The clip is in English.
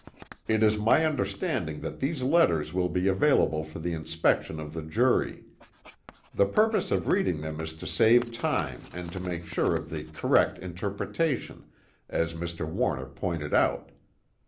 It is my understanding that these letters will be available for the inspection of the jury; the purpose of reading them is to save time and to make sure of the correct interpretation, as Mr. Warner pointed out.